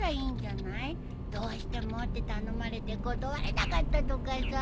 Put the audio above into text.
どうしてもって頼まれて断れなかったとかさ。